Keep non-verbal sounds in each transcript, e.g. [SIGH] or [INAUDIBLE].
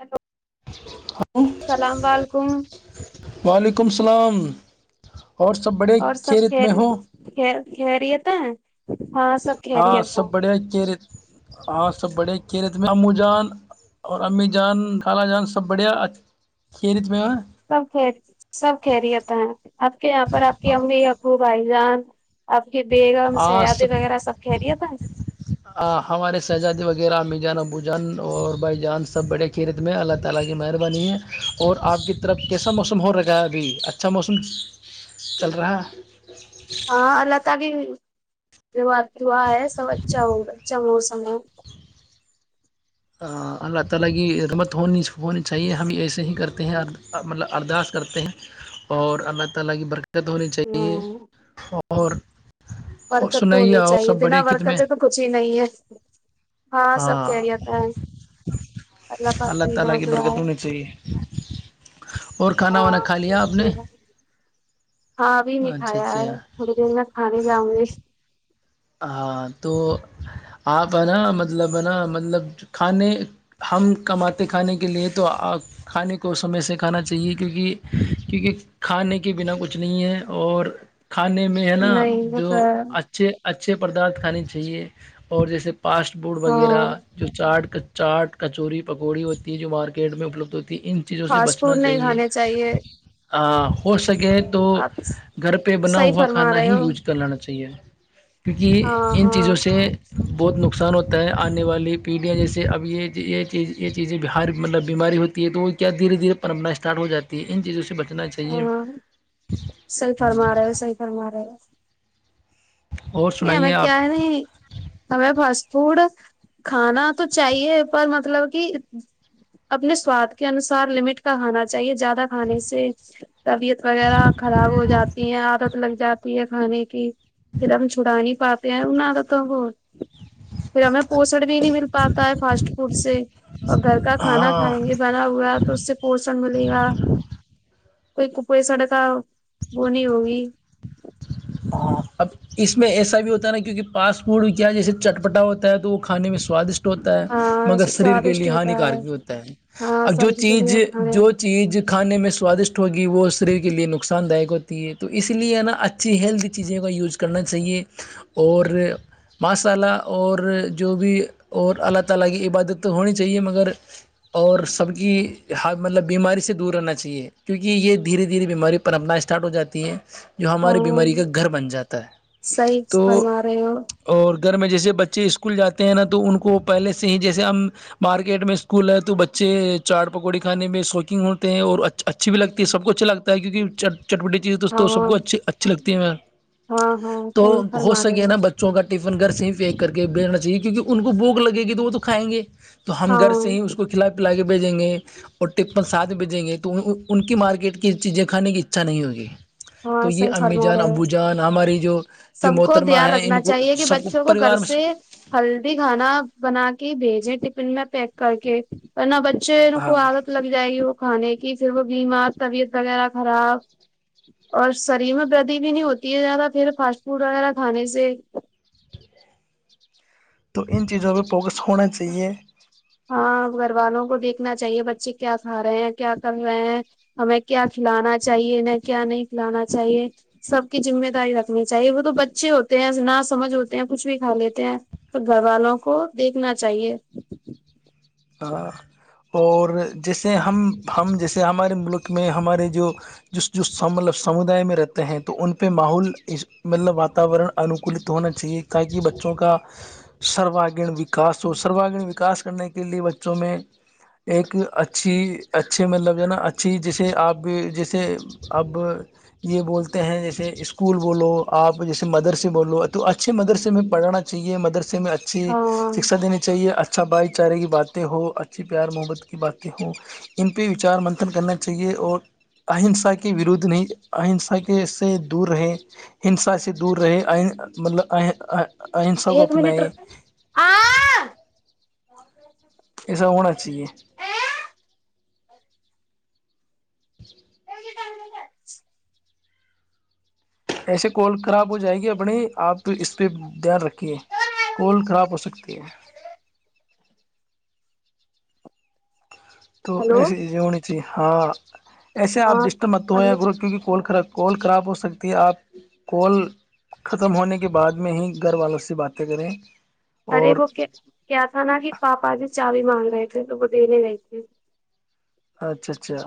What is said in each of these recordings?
ا تو [UNINTELLIGIBLE] [UNINTELLIGIBLE] علیکم وعلیکم السلام اور سب بڑے کھیل ات میں ہوں خری ہےت ہاں سب بڑیا کیریت ہاں سب بڑے کی رے ت میں او جان اور امی جان ڈھالا جان سب بڑھیا کھیرت میں سب سب خہریتا ہے آپ کے یہاں پر آپ کی امی ابوب بھائی جان آپ کی بیگم سیادی وغیرہ سب کہہ رہی ہے تھا ہمارے شہزادے وغیرہ میجان ابوجان اور بھائی جان سب بڑے [INAUDIBLE] چل رہا ہے ج [UNINTELLIGIBLE] ہاں اللہ ت کیا ہے سب ااا وہ س میں [INAUDIBLE] اور اللہ تعالی کی برکت ہونی چاہیے ہمم اور اور برکت تو سنائی ہونی آؤ چاہیے سب بڑے بنا ختم برکتیں تو کچھ ہی نہیں ہے ہاں سب کہ جا ہے پاک اللہ تعالا بہت کی دعا برکت ہے ہونے چ ہی اور کھانا وانا ہاں کھا لیا اس آپ نے لیے ہاں ابھی نہیں اچھا کایا ہے اچھا تھوڑی دیر میں کھانے جاؤ گی ہاں تو آپ ہے نا مطلب ہے نا مطلب کھانے ہم کماتے کھانے کے لیے تو آ کھانے کو سمے سے کھانا چاہیے کیونکہ کیونکہ کھانے کے بنا کچھ نہیں ہے اور کھانے میں ہے نا نہیں وہ جو تو ہے اچھے اچھے پردارتھ کھانے چاہیے اور جیسے فاسٹ فوڈ وغیرہ ہاں جو چاٹ کا چاٹ کچوری پکوڑی ہوتی ہے جو مارکیٹ میں اپلبدھ ہوتی ہے ان چیزوں سے فاسٹ بچنا فوڈ نہیں چاہیے کھانے چاہیے ہو سکے تو آپ گھر پہ بنا صحیح ہوا فرما کھانا رہے ہی ہو یوج کر لانا چاہیے کیونکہ ہاں ان چیزوں ہاں سے بہت نقصان ہوتا ہے آنے والی پیڑھیاں جیسے اب یہ یہ چیز یہ چیزیں بہار مطلب بیماری ہوتی تو وہ کیا دھیرےھیرے پرمپر اسٹارٹ ہواتی ہے ان چیزوں سے بچہ اتنا چاہیے ہاں سرم رہے اور نہیں ہم میں سنائیے آپ کیا نہیں ہمیں فاسٹ فوڈ کھانا تو چاہیے پر مطلب کہ اپنے سواد کے انسار لمٹ کا کانا چاہیے زیادہ کھانے سے طبیعت وغیرہ خراب ہو جاتی ہیں ع لگ جاتی ہے کھانے کی پھر ہم چھڑا نہیں پاتے ہیں ان نہ تو تو وہ پھر ہمیں پوسن بھی نہیں مل پاتا ہے فاسٹ فوڈ سے اور گھر کا کھانا ہاں کھائیں گے بھرا ہوا تو اس سے پوسن ملے گا کوئی کپئی سڑک بونی ہوگی ہاںب اس میں ایسا بھی ہوتا ہے نا کیونکہ فاسٹ فوڈ کیا ہے جیسے چٹپٹا ہوتا ہے تو وہ کھانے میں سوادشٹ ہوتا ہے ہاں مگر شریر کے سوادشٹ لیے ہوتا ہے ہانیکارک بھی ہوتا ہے ہاں اب جو شریر کے چیز لیے کھانے جو چیز کھانے میں سوادشٹ ہوگی وہ شریر کے لیے نقصان داک ہوتی ہے تو اس لیے ہے نا اچھا اچھی ہیلدی چیزیں کا یوز کرنا چاہیے اور مصالہ اور جو بھی اور اللہ تعالی کی عبادت تو ہونی چاہیے مگر اور سب کی ہ مطلب بیماری سے دور رہنا چاہیے کیونکہ یہ دھیرے دھیرے بیماری پر اپنا اسٹارٹ ہو جاتی ہے جو ہمارے ہاں بیماری کا گھر بن جاتا ہے صحیح تو فرما رہے ہو اور گھر میں جیسے بچے اسکول جاتے ہیں نا تو ان کو پہلے سے ہی جیسے ہم مارکیٹ میں اسکول ہے تو بچے چاٹ پکوڑی کھانے میں شوقینگ ہوتے ہیں اور اچھ اچھی بھیگ ہے سب اچھا لتا ہے کیونہ چٹوٹی چیز توست سب ہاں کو اچھھی اچے تی میں ہاں ہاں تو صحیح ہو فرما رہے سکے نا بچوں کا ٹفن گھر سے ہی پیک کر کے بھیجنا چاہیے کیونکہ ان کو بوک لگے گی تو وہ تو کائیں گے تو ہم ہاں گھر سے ہی اس کو کھلا پلا کے بھیجیں گے اور ٹپن ساتھ بھیجیں گے تو ان کی مارکیٹ کی چیزیں کھانے کی اچھا نہیں ہوگی ہاں تو س یہ امی جان ابو جان ہماری جو سب جو کو محترمہ دھیان ہیں رکھنا ان کو چاہیے کہ سب بچوں کو گھر پریوار سے میں ہلدی کھانا بنا کے ہی بھیجے ٹفن میں پیک کر کے ورن ب شیروں ہاں کو عادت لگ جائے گی وہ کھانے کی پھر وہ بیمار طبیعت وغیرہ خراب اور شریر میں بدی بھی نہیں ہوتی ہے زیادہ پھر فاسٹ فوڈ وغیرہ کھانے سے تو ان چیزوں پہ فوکس ہونا چاہیے ہاں گھر والوں کو دیکھنا چاہیے بچے کیا کھا رہے ہیں کیا کر رہے ہیں ہمیں کیا کھلانا چاہیے انہیں کیا نہیں کھلانا چاہیے سب کی ذمہ داری رکھنی چاہیے وہ تو بچے ہوتے ہیں نہ سمجھ ہوتے ہیں کچھ بھی کھا لیتے ہیں تو گھر والوں کو دیکھنا چاہیے اور جیسے ہم ہم جیسے ہمارے ملک میں ہمارے جو جس جو مطلب سمودائے میں رہتے ہیں تو ان پہ ماحول مطلب واتاورن انوکولت ہونا چاہیے تاکہ بچوں کا سرواگیین وکاس ہو سرواگین وکاس کرنے کے لے بچوں میں ایک اچھی اچھے مطلب جو ہے نا اچھی جیسے آپ بھی جیسے اب یہ بولتے ہیں جیسے اسکول بولو آپ جیسے مدرسے بولو تو اچھے مدرس میں پڑھنا چاہیے مدرسے میں اچھی ہاں شکھا دینی چاہیے اچھا بائک بے چارے کی باتیں ہوں اچھی پیار محبت کی باتیں ہوں ان پہ وچار منتھن کرنا چاہیے اور اہنسا کے ورودھ نہیں اہنسا کے سے دور رہے ہنسا سے دور رہےئ مطلب اہنسا کو ایک منٹ اپنائیں یہسب ہونا چاہیے چ گ ایسے کال خراب ہو جائے گی اپنی آپ اس پہ دھیان رکھ کہ کوال خراب ہو سکتی ہے تو ہلو ایسیے چ یہ ہونی چاہیے ہاں ایسے آپ ہاں ڈسٹر مت تو ہلو گو کیونکہ کال خراب کال خراب ہو سکتی ہے آپ کال ختم ہونے کے بعد میں ہی گھر والوں سے باتیں کریں ارے اور وہ کیا تھا نا کہ پاپا جی چا بھی مانگ رہے تھے تو وہ دینے گئے تھے اچھا اچھا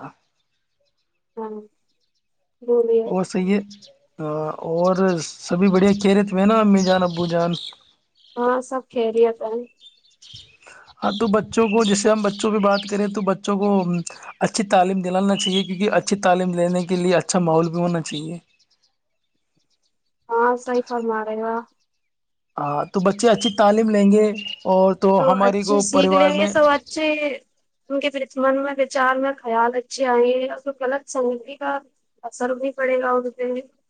ہاں بومی صی ہے ہ اور سبھی بڑھیا کھی رہے تھئے نا امی جان ابو جان ہاں سب کرییا تھا ہاں تو بچوں کو جیسے ہم بچوں پہ بات کریں تو بچوں کو اچھی تعلیم دلانا چاہیے کیونکہ اچھی تعلیم دینے کے لیے اچھا ماحول بھی ہونا چاہیے ہاں صی فرمار رہے گا ہاں تو بچے اچھی تعلیم لیں گے اور تو ہماری کو پریوار میں ج ان کے من میں وچار میں خیال اچھے آئے ہیں اور کو غلط سجتی کا ا سر بھی پڑے گاؤ جے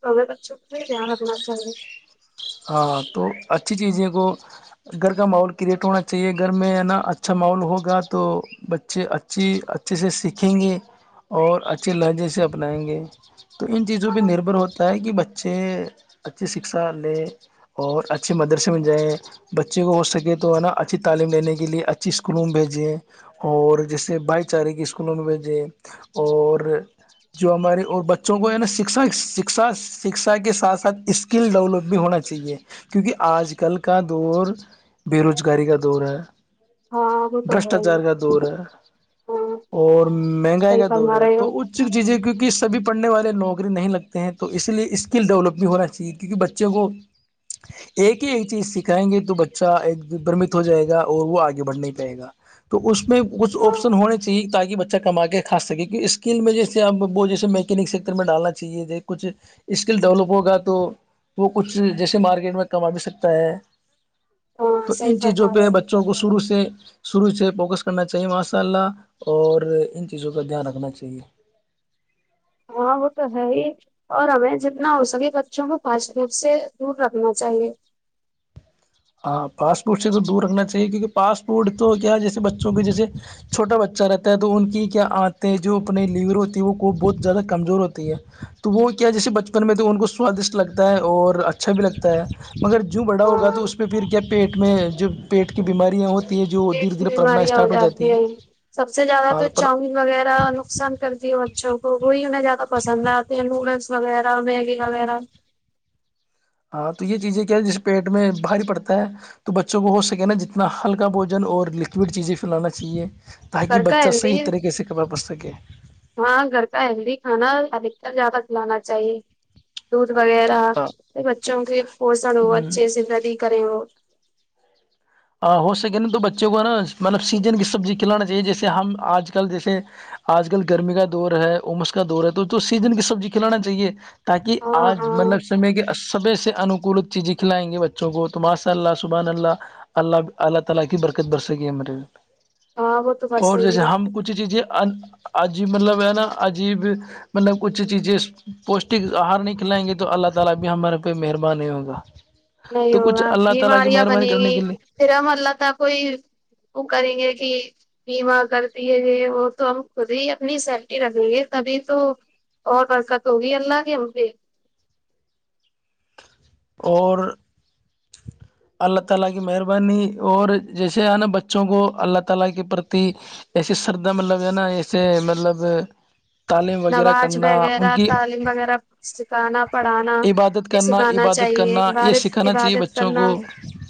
سغت اچھوک سے د رگنا چاہیے ہاں تو اچھی چیزیں کو گھر کا ماحول کریٹ ہونا چاہیے گھر میں ہے نا اچھا ماحول ہوگا تو بچے اچھی اچھے سے سیکھیں گے اور اچھے لہجے سے اپنائیں گے تو ان چیزوں پہ نربھر ہوتا ہے کہ بچے اچھی شکشا لے اور اچھے مدرسے مل جائیں بچے کو ہو سکے تو ہے نا اچھی تعلیم دینے کے لیے اچھی اسکولوں میں بھیجے اور جیسے بھائی چارے کی اسکولوں میں بھیجے اور جو ہمارے اور بچوں کو عا شکا شکھا شکھا کے ساتھ سھ اسکل ڈیولپ بھی ہونا چاہیے چاہیے کیونکہ آج کل کا دور بے روزگاری کا دور ہے ہاں وہ تو ہے برشٹاچار ہی کا دور ہے ہاں اور مہنگائی صحیح کا دور فرما ہے رہے ہو تو اس چیز ہے کیونکہ سب پڑھنے والے نوکری نہیں لگتے ہیں تو اس لیے اسکل ڈیولپ بھی ہونا چاہیے کیونکہ بچوں کو ایک ہی ایک چیز سکھائیں گے تو بچہ ایک برمت ہو جائے گا اور وہ آگے بڑھ نہیں پائے گا تو اس میں کچھ ہاں آپشن ہونا چاہیے تاکہ بچہ کما کے کھا سکے کی اسکل میں جیسے وہ جیسے می ک سیکٹر میں ڈالنا چاہیے کچھ اسکل ڈیولپ ہوگا تو وہ کچھ جیسے مارکیٹ میں کما بھی سکتا ہے ہاں تو صحیح ان چیزوں فرما پہ رہے بچے بچوں کو شرع سے شروع سے فوکس کرنا چاہیے ماشاء اللہ اور ان چیزوں کا دھیان رکھنا چاہیے ہاں وہ تو ہے ہی اور ہمیں جتنا ہو سکے بچوں کو فاچف سے دور رکھنا چاہیے ہاں پاسپورٹ سے تو دور رکھنا چاہیے کیونکہ پاسپورٹ تو کیا ہے جیسے بچوں کے جیسے چھوٹا بچہ رہتا ہے تو ان کی کیا عتےتیں جو اپنے لیور ہوتی ہے وہ کو بہت زیادہ کمزور ہوتی ہے تو وہ کیا جیسے بچپن میں تو ان کو سوادشٹ لگتا ہے اور اچھا بھی لگتا ہے مگر جووں بڑا ہوگا تو ہاں اس پہ پھر کیا پیٹ میں جو پیٹ کی بیماریاں ہوتی ہے جو پیٹ دھیرے کی دھیرے پرپنا بیماریاں ہو اسٹارٹ جاتی ہے ہیں سب سے زیادہ ہاں تو پر چاؤین وغیرہ نقصان کرتی ہے بچوں کو وہی انہیں زیادہ پسند آتے ہیں نوڈلس وغیرہ میگی وغیرہ ہاں تو یہ چیزیں کیا جس پیٹ میں بھاری پڑتا ہے تو بچوں کو ہو سکے نا جتنا ہلکا بوجن اور لکوڈ چیزیں پلانا چاہیے تاکہ گھر کا بچہ صحیح ہیلدی طریقے سے کپڑا پن سکے ہاں گھر کا ہیلدی کھانا ل کر جا کلانا چاہیے دودھ وغیرہ ہاں بچوں کے پوسن ہو ہ اچھے سے فدی کریں ہو ہو سکے نا تو بچوں کو نا مطلب سیزن کی سبزی کھلانا چاہیے جیسے ہم آج کل جیسے آج کل گرمی کا دور ہے امس کا دور ہے تو تو سیزن کی سبزی کھلانا چاہیے تاکہ ہاں آج ہاں مطلب سمے کے سبے سے انوکولت چیزیں کھلائیں گے بچوں کو تو ماشاء اللہ سبحان اللہ [UNINTELLIGIBLE] ہاں وہ تو بس اور جیسے یہی ہم کچھ چیزیں عجیب مطلب ہے نا عجیب [UNINTELLIGIBLE] نہیں تو کچھ ہوگا اللہ تعالی کی بیماریاں مہربانی بنے کرنے گی کے لیے پھرم اللہ ت کوئی وہ کریں گے کہ بیما کرتی ہے یہ وہ تو ہم خود ہی اپنی سیفٹی رکھیں گے تبھی تو اور برکت ہوگی اللہ گ ہم پہ اور [UNINTELLIGIBLE] اللہ تعالی کی مہربانی اور جیسے ہے نا بچوں کو اللہ تعالی کے پرتی ایسے سردا مطلب ہے نا ایسے مطلب تعلیم وغیرہ نواز کرنا وغیرہ ان کی تعلیم وغیرہ سکھانا پڑھانا عبادت کرنا سکھانا عبادت چاہیے کرنا یہ عبادت سکھانا چاہیے عبادت بچوں کرنا کو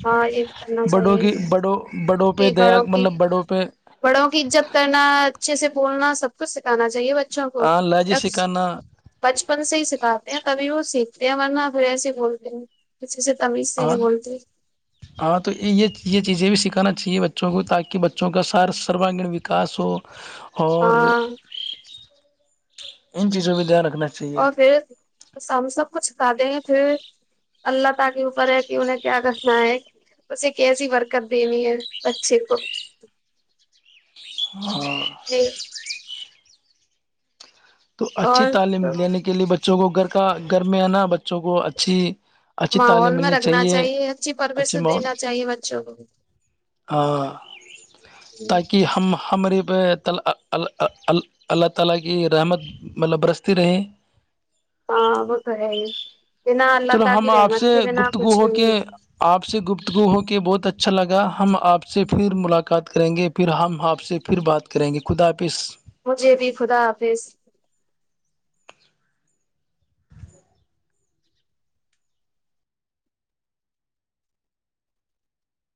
ہاں یہ کرنا بڑوں چاہیے کی بڑوں بڑوں پہ کہ دیا بڑوں کی مطلب بڑوں پہ بڑوں کی عزت کرنا اچھے سے بولنا سب کچھ سکھانا چاہیے ب اچھا ہو ہاں لہجے جب سکھانا بچپن سے ہی سکھاتے ہیں تبھی وہ سیکھتے ہیں ورنہ پھر ایسے بولتے ہیں اچھا اچھا ت م اسری ہاں نہیں بولتے ہاں تو یہ یہ چیزیں بھی سکھانا چاہیے بچوں کو تاکہ بچوں کا سار سروانگیین وکاس ہو اور ہاں ان چیزوں پہ دھیان رکھنا چاہ اور پھر ہم سب کچھ ک دے ہیں پھر اللہ تع کے اوپر ہے کہ انہیں کیا کرنا ہے بسے کہسی برکت دنی ہے بچے کو [UNINTELLIGIBLE] [UNINTELLIGIBLE] تو اچھی اور تعلیم لینے کے لیے بچوں کو گھر کا گھر میں ہےناا بچوں کو اچھی اچھی ماحول تعلیم میں ملنی رکھنا چاہیے اچھی پرورش اچھے ماحول دینا چاہیے بچوں کو ہاں جی کہ ہم ہم ر پ اللہ تعالی کی رحمت مطلب برستے رہیں ہاں وہ تو ہے ہی کہ نہ اللہ چلو تعاق ہم آپ رہنا سے پھر نہ گفتگو کچھ ہو کے نہیں آپ سے گفتگو ہو کے بہت اچھا لگا ہم آپ سے پھر ملاقات کریں گے پھر ہم آپ سے پھر بات کریں گے خدا پ مجھے بھی خدا حافظ